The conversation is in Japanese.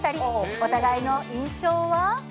お互いの印象は？